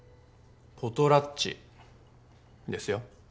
ポトラッチですよ。